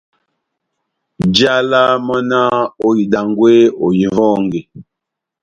Njálá mɔ́ náh :« Ohidangwe, ohiwɔnge !»